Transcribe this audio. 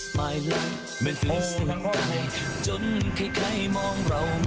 เพลง